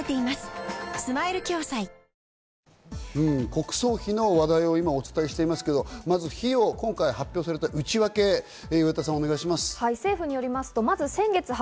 国葬費の話題をお伝えしていますけれども、まず費用、今回発表された内訳、岩田さん、お願いします。